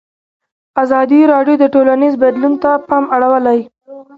ازادي راډیو د ټولنیز بدلون ته پام اړولی.